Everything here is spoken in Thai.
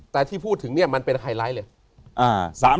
แต่ที่พูดถึงเนี่ยมันเป็นไฮไลท์เลย